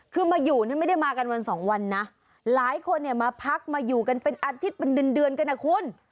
คือมาอยู่เนี่ยไม่ได้มากันวันสองวันนะหลายคนเนี่ยมาพักมาอยู่กันเป็นอาทิตย์เป็นเดือนเดือนกันนะคุณ